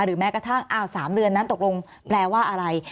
แม้กระทั่งอ้าว๓เดือนนั้นตกลงแปลว่าอะไร